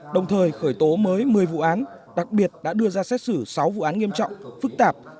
đồng thời khởi tố mới một mươi vụ án đặc biệt đã đưa ra xét xử sáu vụ án nghiêm trọng phức tạp